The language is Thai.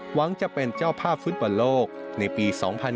หวังจะเป็นเจ้าภาพฟุตบอลโลกในปี๒๐๑๖